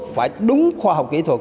phải đúng khoa học kỹ thuật